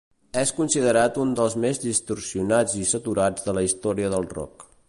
És considerat un dels més distorsionats i saturats de la història del rock.